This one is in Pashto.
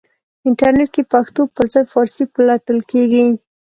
انټرنېټ کې پښتو پرځای فارسی پلټل کېږي.